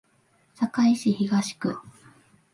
堺市東区